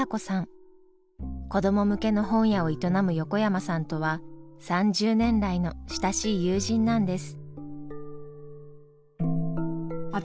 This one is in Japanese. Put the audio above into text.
子ども向けの本屋を営む横山さんとは３０年来の親しい友人なんです。